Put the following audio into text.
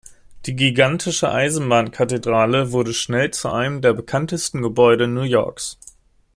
Die gigantische Eisenbahn-Kathedrale wurde schnell zu einem der bekanntesten Gebäude New Yorks.